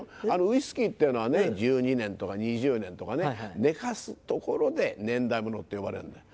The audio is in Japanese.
ウイスキーっていうのはね１２年とか２０年とかね寝かすところで年代物って呼ばれるんだよ。